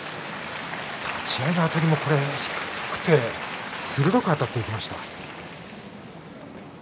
立ち合いのあたりも低くて鋭くあたっていきました。